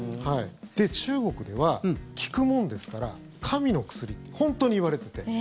中国では効くもんですから神の薬って本当に言われてて。